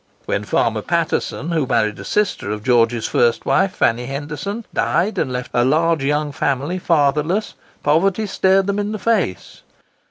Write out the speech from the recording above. When Farmer Paterson, who married a sister of George's first wife, Fanny Henderson, died and left a large young family fatherless, poverty stared them in the face.